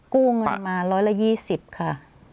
กู้เงินมาร้อยละ๒๐ค่ะ